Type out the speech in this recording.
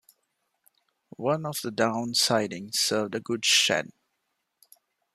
One of the down sidings served a goods shed.